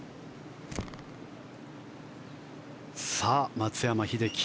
松山英樹